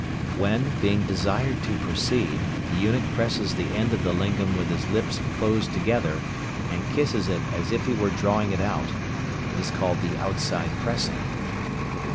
When, being desired to proceed, the eunuch presses the end of the lingam with his lips closed together, and kisses it as if he were drawing it out, it is called the "outside pressing."